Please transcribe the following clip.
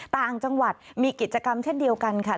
ต่างจังหวัดมีกิจกรรมเช่นเดียวกันค่ะ